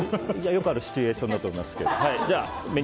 よくあるシチュエーションだと思いますけど。